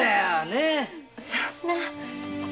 そんな。